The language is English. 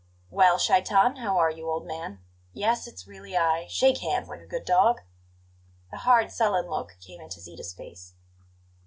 "Well, Shaitan, how are you, old man? Yes, it's really I. Shake hands, like a good dog!" The hard, sullen look came into Zita's face.